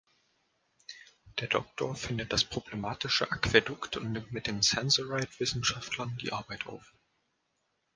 Der Doktor findet das problematische Aquädukt und nimmt mit den Sensorite-Wissenschaftlern die Arbeit auf.